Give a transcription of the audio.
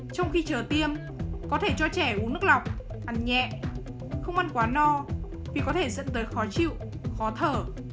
trong khi chờ tiêm có thể cho trẻ uống nước lọc ăn nhẹ không ăn quá no vì có thể dẫn tới khó chịu khó thở